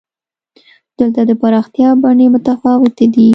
دلته د پراختیا بڼې متفاوتې دي.